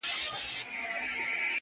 ما په ژړغوني اواز دا يــوه گـيـله وكړه،